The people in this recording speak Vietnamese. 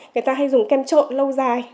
người ta hay dùng kem trộn lâu dài